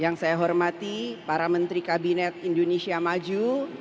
yang saya hormati para menteri kabinet indonesia maju